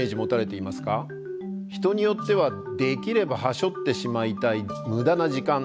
人によってはできればはしょってしまいたい無駄な時間。